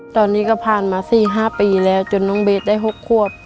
ตอนนี้ก็ผ่านมา๔๕ปีแล้วจนน้องเบสได้๖ควบ